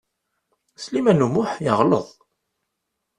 Sliman U Muḥ yeɣleḍ.